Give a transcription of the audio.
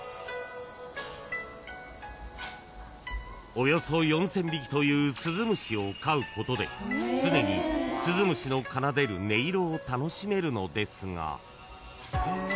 ［およそ４，０００匹という鈴虫を飼うことで常に鈴虫の奏でる音色を楽しめるのですが］